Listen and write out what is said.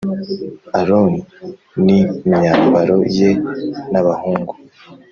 Aroni n imyambaro ye n abahungu